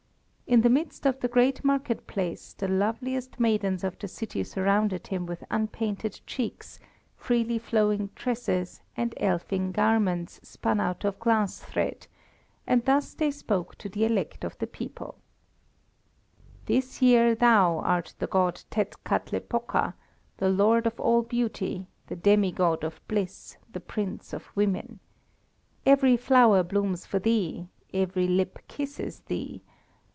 In the midst of the great market place, the loveliest maidens of the city surrounded him with unpainted cheeks, freely flowing tresses, and elfin garments spun out of glass thread, and thus they spoke to the elect of the people "This year thou art the god Tetzkatlepoka, the lord of all beauty, the demi god of bliss, the prince of women. Every flower blooms for thee, every lip kisses thee.